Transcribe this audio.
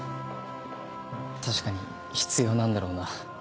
確かに必要なんだろうな。